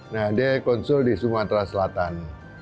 nah dia konsul di sumatera selatan